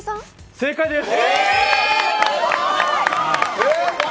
正解です。